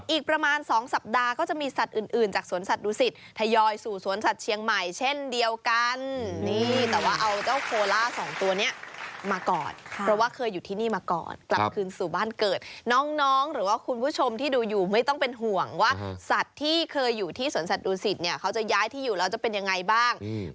อีกประมาณสองสัปดาห์ก็จะมีสัตว์อื่นอื่นจากสวนสัตว์ดูสิตทยอยสู่สวนสัตว์เชียงใหม่เช่นเดียวกันนี่แต่ว่าเอาเจ้าโคลาสองตัวเนี้ยมาก่อนค่ะเพราะว่าเคยอยู่ที่นี่มาก่อนครับ